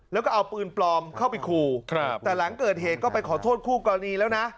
แล้วก็เอาปืนปลอมเข้าไปขู่แต่หลังเกิดเหตุก็ไปขอโทษคู่กรณีแล้วนะ